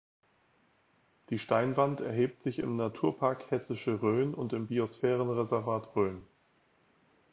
Die Steinwand erhebt sich im Naturpark Hessische Rhön und im Biosphärenreservat Rhön.